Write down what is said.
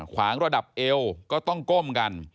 ขวางระดับเอวก็ต้องก้มกัน